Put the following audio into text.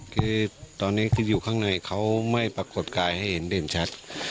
คือตอนนี้คืออยู่ข้างในเขาไม่ปรากฏกายให้เห็นเด่นชัด